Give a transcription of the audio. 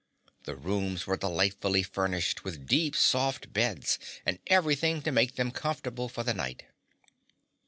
The rooms were delightfully furnished with deep, soft beds and everything to make them comfortable for the night.